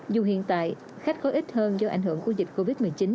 dù hiện tại khách có ít hơn do ảnh hưởng của dịch covid một mươi chín